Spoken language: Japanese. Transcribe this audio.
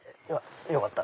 よかったら。